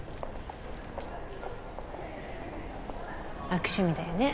悪趣味だよね。